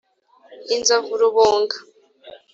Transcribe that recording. • inzovu rubunga.